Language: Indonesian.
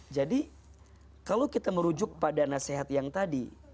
jadi kalau kita merujuk pada nasihat yang tadi